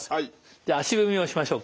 じゃあ足踏みをしましょうか。